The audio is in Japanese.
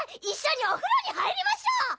一緒にお風呂に入りましょう！